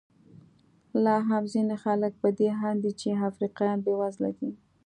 لا هم ځینې خلک په دې اند دي چې افریقایان بېوزله دي.